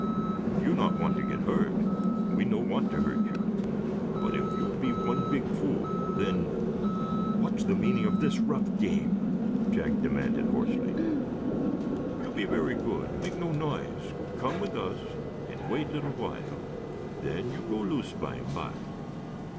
"You not want to get hurt? We no want hurt you, but if you be one big fool, then !" "What's the meaning of this rough game?" Jack demanded, hoarsely. "You be verra good, no make noise, come with us and wait little while, then you go loose bimeby.